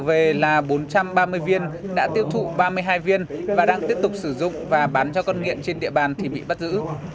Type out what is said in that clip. về là bốn trăm ba mươi viên đã tiêu thụ ba mươi hai viên và đang tiếp tục sử dụng và bán cho con nghiện trên địa bàn thì bị bắt giữ